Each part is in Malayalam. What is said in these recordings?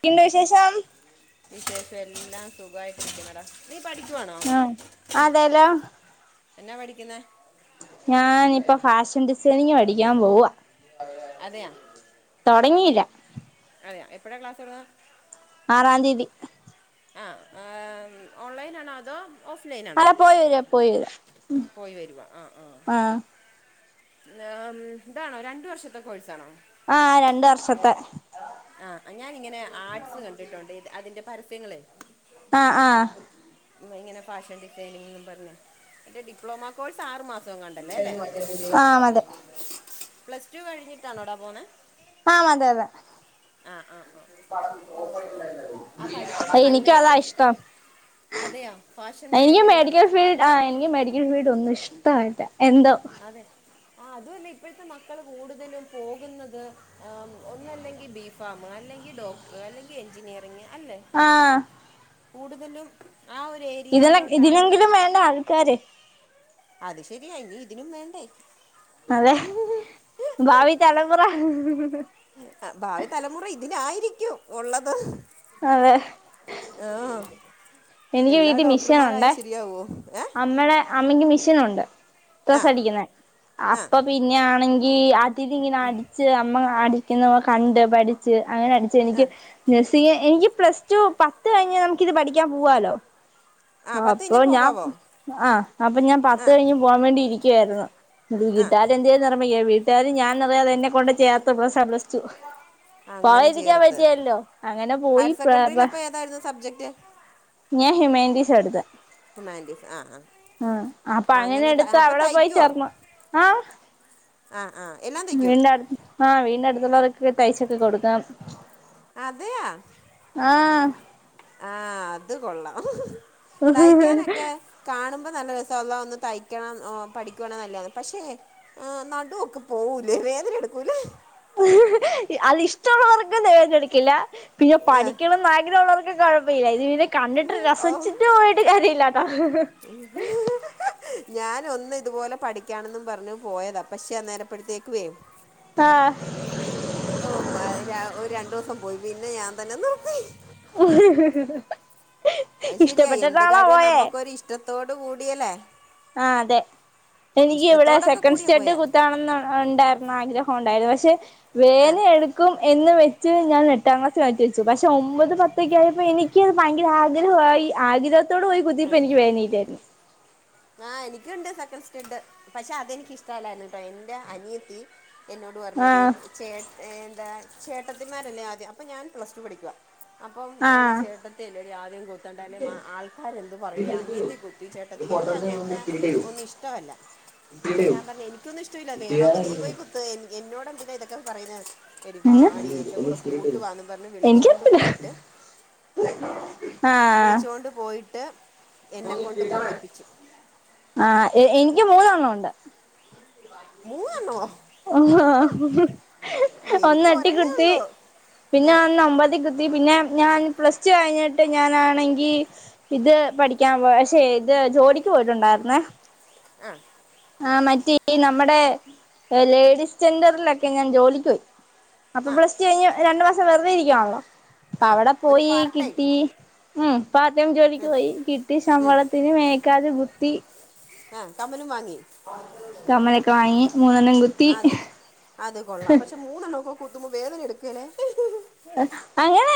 ക്കെണ്ട് വിശേഷം? വിശേഷെല്ലാം സുഖയിട്ടിരിക്കണടാ. നീ പഠിക്കുവാണോ ആഹ് അതേലോ എന്നാ പഠിക്കുന്നേ ഞാനിപ്പോ ഫാഷൻ ഡിസൈനിങ് പഠിക്കാൻ പോവാ അതെയ തുടങ്ങിയില്ല അതെയോ എപ്പളാ ക്ലാസ് തൊടങ്ങുനത് ആറാം തീയതി ആഹ് ആം ഓൺലൈൻ ആണോ അതോ ഓഫ്ലൈനാണോ അല്ല പോയി വരാ പോയി വരാ ഉ പോയി വരുവ അഹ് ആഹ് ആഹ് ആം ഇതാണോ രണ്ട് വർഷത്തെ കോഴ്സാണോ ആഹ് രണ്ട് വർഷത്തെ ആഹ് ഞാനിങ്ങനെ ആഡ്സ് കണ്ടിട്ടുണ്ട് അതിന്റെ പരസ്യങ്ങളെ അഹ് ആഹ് ഇങ്ങനെ ഫാഷൻ ഡിസൈനിങ് എന്നും പറഞ്ഞു മറ്റേ ഡിപ്ലോമ കോഴ്സ് ആറ് മാസവുങ്ങാണ്ടല്ലേ അല്ലേ ആം അതെ പ്ലസ് ടു കഴിഞ്ഞിട്ടാണോടാ പോന്നേ ആഹ് അതെ അതെ ആ ആ ഓ ആ പഠിക്കുന്നത് എനിക്കതാ നല്ലതല്ലേ ഇഷ്ടം അതെയാ ഫാഷൻ എനിക്ക് മേഖലയാണ് മെഡിക്കൽ ഫീൽഡ് അത് ആഹ് എനിക്ക് മെഡിക്ക- ഫീടൊന്നും ഇഷ്ടയില്ല എന്തോ അതെ ആ അതുമല്ല ഇപ്പോഴത്തെ മക്കൾ കൂടുതലും പോകുന്നത് ഒന്നല്ലെങ്കിൽ ബി ഫാം അല്ലെങ്കിൽ ഡോക്ടർ അല്ലെങ്കിൽ എഞ്ചിനീയറിങ്ങ് അല്ലേ ആഹ് കൂടുതലും ആഹ് ഒര് ഏരി- ഇതിനും ഇതിനെങ്കിലും വേണ്ടേ ആൾക്കാര് അത് ശരിയ ഇനി ഇതിനും വേണ്ടേ അതെ ഭാവി തലമുറ ഭാവി തലമുറ ഇതിനായിരിക്കും ഉള്ളത് അതെ ആഹ് എനിക്ക് എല്ലാം ഡോക്ടർമാരായ ശരിയാവോ ഏ അമ്മയുടെ അമ്മയ്ക്ക് മെഷ്യനുണ്ട് ആ സ്രസ്സ് അടിക്കുന്ന ആ അപ്പൊ പിന്നെ ആണെങ്കി ഇപ്പിതിങ്ങനെ അടിച്ച് അമ്മ അടിക്കുന്ന കണ്ട് പഠിച്ച് അങ്ങനെ അടിച്ച് ആ എനിക്ക് എനിക്ക് പ്ലസ് ടു പത്ത് കഴിഞ്ഞാൽ നമുക്കിത് പഠിക്കാൻ പോവാല്ലോ ആ പത്ത് അപ്പൊ കഴിഞ്ഞാൽ ഞാൻ പോകാവോ ആഹ് അപ്പൊ ഞാൻ ആ പത്ത് കഴിഞ്ഞ് പോകാൻ വേണ്ടി ഇരിക്കുവായിരുന്നു ഇ ആ വീട്ടാരു എന്തു ചെയ്തു എന്നറിയാമോ വീട്ടാര് ഞാനറിയാതെ എന്നെ കൊണ്ട് ചേർത്തു പ്ലസ് വൺ പ്ലസ് റ്റു അങ്ങനെ പോവാതിരിക്കാൻ ചേർത്ത് പറ്റിയല്ലോ അങ്ങനെ ഹയർ പോയി സെക്കൻഡറിയിൽ അപ്പോൾ ഏതായിരുന്നു സബ്ജക്റ്റ് ഞാൻ ഹ്യുമാനിറ്റീസാ എടുത്ത് ഹ്യൂമാനിറ്റീസ് ആ ആ ആഹ്അപ്പൊ ആ അങ്ങനെ ത- എടുത്ത് അപ്പോൾ അവിടെ പോയി ചേർന്നു ആഹ് ആഹ് ആഹ് വീട്ന്റെ അടുത്ത് ആഹ് വീട്ന്റെ അടുത്തുള്ളോരൊക്കെ തയ്ച്ചൊക്കെ കൊടുക്കാം അതെയോ ആഹ് ആഹ് അത്കൊള്ളാം തയ്ക്കാനൊക്കെ കാണുമ്പോ നല്ലരസാ അള്ളാ ഒന്ന് തയ്ക്കണം പഠിക്കണം എല്ലാം പക്ഷെ ആഹ് നടുഒക്കെ പോവൂലേ വേതന എടുക്കൂലേ അതിഷ്ടവുള്ളവർക്ക് വേദന എടുക്കില്ല പിന്നെ ഏ, പഠിക്കണം ന്ന് ആഗ്രഹമുള്ള വർക്ക് കൊഴപ്പല്ല ഇത് പിന്നെ കണ്ടിട്ട് ഓ രസിച്ചിട്ട് പോയിട്ട് കാരൃല്ലട്ടോ ഞൻ ഒന്ന് ഇതുപോലെ പഠിക്കാനെന്നും പറഞ്ഞു പോയതാ പക്ഷെ അന്നേരപ്പഴത്തേക്കുവേ ആഹ് ഓഹ് ഒരു രണ്ടോസം പോയി പിന്നെ ഞാൻ തന്നെ നീർത്തി [unintelligible] അത് ശെരിയാ എന്ത് ഇഷ്ടപ്പെട്ടിട്ടാണോ കാര്യവും പോയേ നമ്മുക്കൊരു ഇഷ്ടത്തോട് കൂടിയല്ലേ ആഹ് അതെ എനിക്ക് ഇവിടെ ഇഷ്ടത്തോടൊക്കെ സെക്കൻഡ് കൂടിയ സ്റ്റഡ് പോയാ കുത്താണെന്ന് ഉണ്ടായിരുന്നു ആഗ്രഹം ഉണ്ടായിരുന്നു പക്ഷെ ആ വേന എടു ക്കും എന്ന് വെച്ച് ഞാൻ എട്ടാം ക്ലാസി മാറ്റി വെച്ചു പക്ഷെ ഒമ്പത് പത്തൊക്കെ ആയപ്പോൾ എനിക്ക് അത് ഭയങ്കര ആഗ്രഹവായി ആഗ്രഹത്തോടെ പോയി കുതിയപ്പോ എനിക്ക് വേന ഇല്ലായിരുന്നു ആഹ് എനിക്കുണ്ട് സെക്കൻ് സ്റ്റഡ് പക്ഷെ അതെനിക്ക് ഇഷ്ടല്ലായിരുന്നു ട്ടോ എന്റെ അനിയത്തി എന്നോട് പറഞ്ഞു എടീ ആഹ് ചേട്ട എന്താ ചേട്ടത്തിമാരല്ലേ ആദ്യം അപ്പം ഞാൻ പ്ലസ് ടു പഠിക്കുവാ അപ്പം എടീ ആഹ് ചേട്ടത്തിയല്ലടീ ആദ്യം കുത് കുത്തണ്ടേ അല്ലേ ആൾക്കാർ എന്ത് പറയാ അനിയത്തി കുത്തി ചേട്ടത്തി എനി അങ്ങനത്തെ ഒന്നു ഇഷ്ടവല്ല അയ് ഞാൻ പറഞ്ഞ് എനിക്കൊന്നും ഇഷ്ടവില്ല വേണെങ്കി നീ പോയി കു കുത്ത് എന്നോടെന്തിനാ ഇതൊക്കെ പറയുന്നെ എടി എന്ന് വാടി എന്റെ കൂടെ കൂട്ട് വാന്നും പറഞ്ഞ് വിളിച്ചൊണ്ട് എനിക്കറിയത്തില്ല പോയിട്ട് ആഹ് വിളിച്ചോണ്ട് പോയിട്ട് എന്നെ കൊണ്ട് കുത്തിപ്പിച്ചു ആഹ് എ എനിക്ക് മൂന്നെണ്ണം ഉണ്ട് മൂന്നെണ്ണോ ആഹ് എനിക്ക് ഒന്നെട്ടീ ഒരെണ്ണേ കുത്തി ഉള്ളൂ പിന്നെ ആ ഒന്ന് ഒമ്പത്തീ കു തി പിന്നെ ഞാൻ പ്ലസ് ടു കഴിഞ്ഞിട്ട് ഞാനാണെങ്കി ഇത് പഠിക്കാൻ പോ പക്ഷെ ഇത് ജോലിക്ക് പോയിട്ടുണ്ടായിരുന്നേ ആഹ് ആഹ് മറ്റേ ഈ നമ്മുടെ ലേഡീസ് സ്റ്റെൻഡറിലൊക്കെ ഞാൻ ജോലിക്ക് പോയി അപ്പം ആ പ്ലസ് ടു കഴിഞ്ഞ് രണ്ടു മാസം വെറുതെ ഇരിക്കുവാണല്ലോ അപ്പൊ ആ അവിടെ ഒരു പോയി പാർട്ട് ടൈം കിട്ടി ഉം പാർട്ട് ടൈം ജോലിക്ക് പോയി കിട്ടി ശമ്പളത്തിന് മേക്കാത് കുത്തി ആഹ് കമ്മലും വാങ്ങി കമ്മലൊക്കെ വാങ്ങി മൂന്നെണ്ണം കുത് അതു അത് കൊള്ളാം പക്ഷെ മൂന്നെണ്ണോക്കെ കുത്തുമ്പോ വേദന എടുക്കേലേ അങ്ങനെ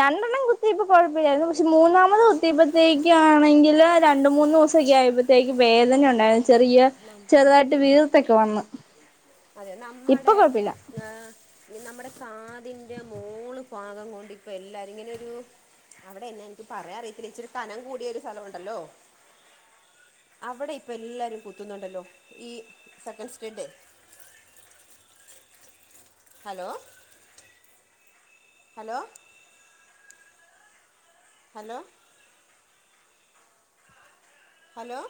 രണ്ടെണ്ണം കുത്തിയപ്പം കൊഴപ്പല്ലായിരുന്നു പക്ഷെ മൂന്നാമത് കുത്തിയപ്പത്തേക്ക് ഒക്കെ ആണെങ്കില് രണ്ട് മൂന്നൂസൊക്കെ ആയ്പ്പത്തേക്ക് വേദന ഉണ്ടായിരുന്നു ചെറിയ ചെറുതായിട്ട് വീർത്തൊക്കെ വന്ന് അതെ ഇപ്പൊ നമ്മടെ കൊഴപ്പില്ല ഏഹ് നമ്മുടെ കാതിൻ്റെ മോള് ഫാഗം കൊണ്ട് ഇപ്പൊ എല്ലാരും ഇങ്ങനൊരു അവിടെ എന്നാ ഇൻക്ക് പറയാൻ അറിയത്തില്ല ഇച്ചിരി കനം കൂടിയൊരു സ്ഥലം ഉണ്ടല്ലോ അവിടെ ഇപ്പം എല്ലാരും കുത്തുന്നുണ്ടല്ലോ ഈ സെക്കൻഡ് സ്റ്റഡ് hello hello hello hello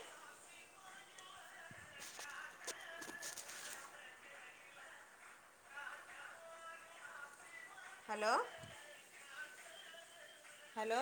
hello hello